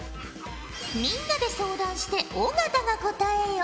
みんなで相談して尾形が答えよ。